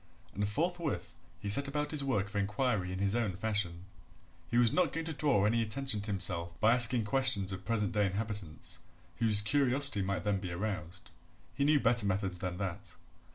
And forthwith he set about his work of inquiry in his own fashion. He was not going to draw any attention to himself by asking questions of present day inhabitants, whose curiosity might then be aroused; he knew better methods than that.